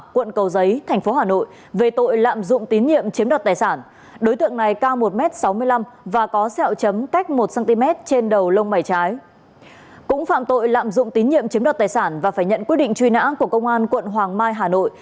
cũng phạm tội lạm dụng tín nhiệm chiếm đoạt tài sản và phải nhận quyết định truy nã của công an quận hoàng mai hà nội